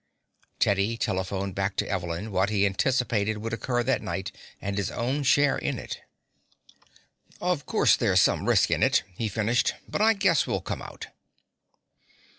Teddy telephoned back to Evelyn what he anticipated would occur that night and his own share in it. "Of course there's some risk in it," he finished, "but I guess we'll come out."